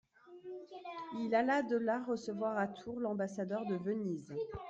Il alla de là recevoir à Tours l'ambassadeur de Venise.